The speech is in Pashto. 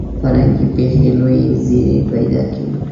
فرهنګي پېښې لوی زیری پیدا کوي.